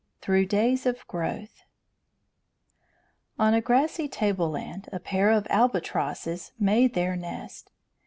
THROUGH DAYS OF GROWTH On a grassy tableland a pair of albatrosses made their nest.